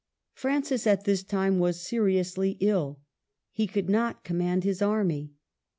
Francis, at this time, was seriously ill. He could not command his army.